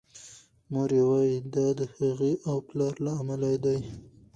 مور یې وايي دا د هغې او پلار له امله دی.